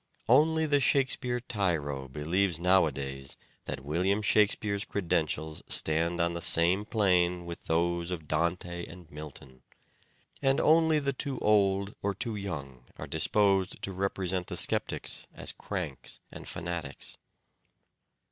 Only the Shakespeare tyro believes now adays that William Shakspere's credentials stand on the same plane with those of Dante and Milton ; and only the too old or too young are disposed to represent the sceptics as cranks and fanatics.